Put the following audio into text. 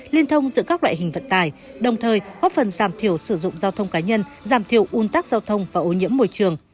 liên thông giữa các loại hình vận tải đồng thời góp phần giảm thiểu sử dụng giao thông cá nhân giảm thiểu un tắc giao thông và ô nhiễm môi trường